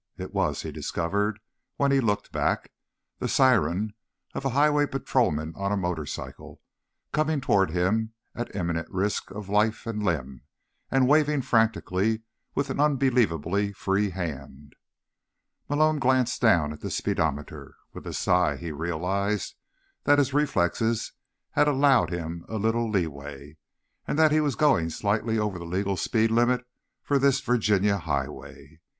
It was, he discovered when he looked back, the siren of a highway patrolman on a motorcycle, coming toward him at imminent risk of life and limb and waving frantically with an unbelievably free hand. Malone glanced down at the speedometer. With a sigh, he realized that his reflexes had allowed him a little leeway, and that he was going slightly over the legal speed limit for this Virginia highway.